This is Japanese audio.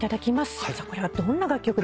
これはどんな楽曲ですか？